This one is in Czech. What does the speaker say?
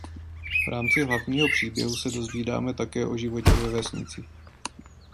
V rámci hlavního příběhu se dozvídáme také o životě ve vesnici.